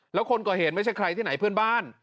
แล้วคนก่อเหตุไม่ใช่ใครที่ไหนเพื่อนบ้าน